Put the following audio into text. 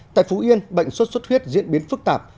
tại phú yên bệnh suốt suốt huyết diễn biến phức tạp